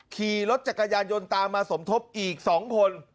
ขี่รถจักรยานยนต์ตามมาสมทบอีก๒คน